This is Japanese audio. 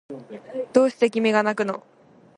どうして君がなくの